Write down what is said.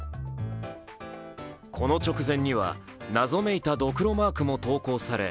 この直前には、謎めいたどくろマークも投稿され